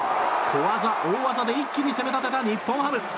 小技、大技で一気に攻め立てた日本ハム。